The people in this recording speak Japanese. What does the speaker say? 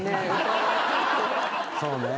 そうね。